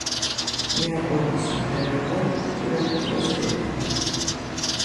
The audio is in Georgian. იაპონიის იმპერატორ ჰიროჰიტოს დედა.